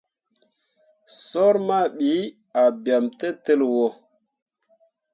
Soor mah ɓii ah bem tǝtǝlliwo.